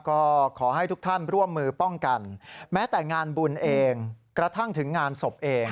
ก็ขอให้ทุกท่านร่วมมือป้องกันแม้แต่งานบุญเองกระทั่งถึงงานศพเอง